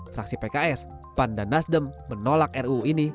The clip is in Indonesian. fraksi pks pan dan nasdem menolak ruu ini